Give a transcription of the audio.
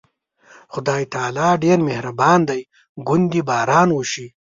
خدای تعالی ډېر مهربانه دی، ګوندې باران وشي.